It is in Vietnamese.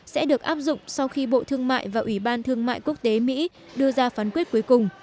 sẽ được áp dụng sau khi bộ thương mại và ủy ban thương mại quốc tế mỹ đưa ra phán quyết cuối cùng